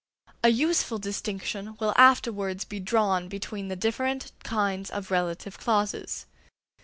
A useful distinction will afterwards be drawn between the different kinds of relative clauses.